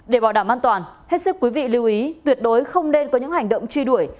để bảo đảm an toàn hết sức quý vị lưu ý tuyệt đối không nên có những hành động truy đuổi